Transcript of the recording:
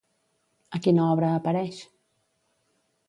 A quina obra apareix?